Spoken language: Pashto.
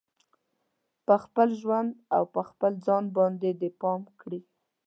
په خپل ژوند او په خپل ځان باندې دې پام کړي